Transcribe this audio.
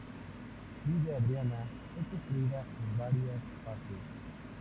Villa Adriana, fue construida en varias fases.